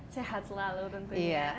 sehat selalu tentunya